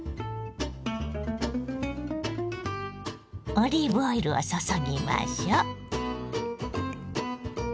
オリーブオイルを注ぎましょう。